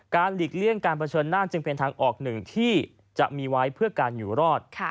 หลีกเลี่ยงการเผชิญหน้าจึงเป็นทางออกหนึ่งที่จะมีไว้เพื่อการอยู่รอด